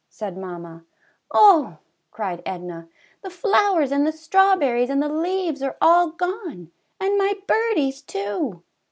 said mamma. "Oh!" cried Edna, "the flowers and the strawberries and the leaves are all gone, and my birdies, too!"